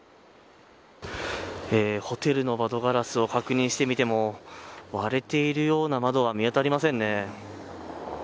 ホテルの窓ガラスを確認してみても割れているような窓は見当たりませんね。